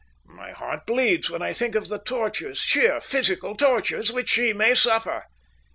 My heart bleeds when I think of the tortures, sheer physical tortures, which she may suffer."